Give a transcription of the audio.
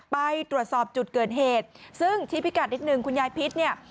ไปตรวจสอบจุดเกิดเหตุซึ่งชี้พิกัดนิดนึงคุณยายพิษเนี่ย